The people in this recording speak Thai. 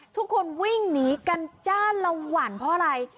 ทุกคนวิ่งหนีกันจ้านละหวั่นเพราะอะไร